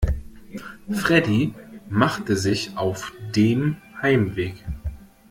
Freddie machte sich auf dem Heimweg.